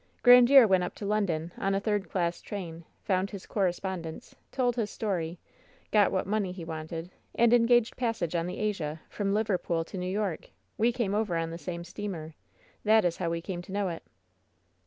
"Grandiere went up to London on a third class train, found his correspondents, told his story, got what money he wanted, and engaged passage on the Asia from Liver pool to New York. We came over on the same steamer. That is how we came to know it.''